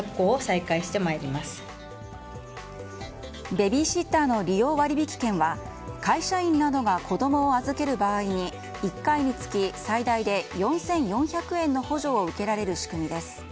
ベビーシッターの利用割引券は会社員などが子供を預ける場合に１回につき最大で４４００円の補助を受けられる仕組みです。